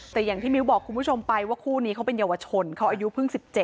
แต่อย่างที่มิ้วบอกคุณผู้ชมไปว่าคู่นี้เขาเป็นเยาวชนเขาอายุเพิ่ง๑๗